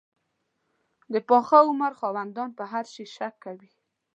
د پاخه عمر خاوندان په هر شي شک کوي.